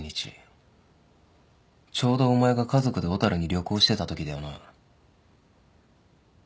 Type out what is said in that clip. ちょうどお前が家族で小樽に旅行してたときだよな。